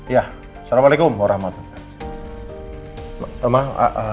ya assalamualaikum warahmatullahi wabarakatuh